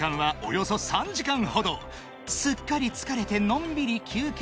［すっかり疲れてのんびり休憩］